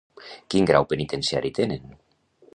Quin grau penitenciari tenen?